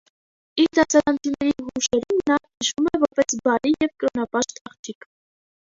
Իր դասարանցիների հուշերում նա հիշվում է որպես բարի և կրոնապաշտ աղջիկ։